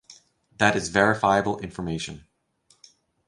That is verifiable information.